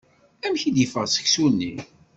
Amek i d-yeffeɣ seksu-nni?